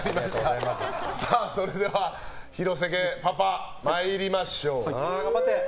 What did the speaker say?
それでは廣瀬家パパ参りましょう。